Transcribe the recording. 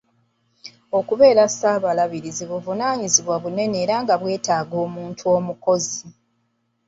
Okubeera Ssaabalabirizi buvunaanyizibwa bunene era nga bwetaaga omuntu omukozi.